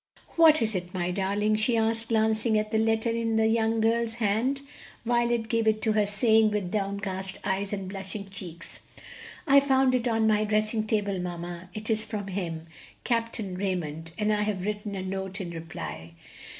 "What is it, my darling?" she asked, glancing at the letter in the young girl's hand. Violet gave it to her, saying, with downcast eyes and blushing cheeks, "I found it on my dressing table, mamma. It is from him Capt. Raymond and I have written a note in reply."